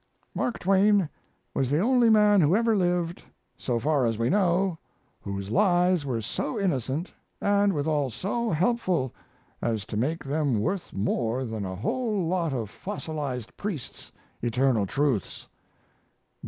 Mark Twain was the only man who ever lived, so far as we know, whose lies were so innocent, and withal so helpful, as to make them worth more than a whole lot of fossilized priests' eternal truths.